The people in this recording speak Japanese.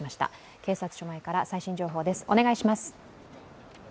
警察署前から最新情報です。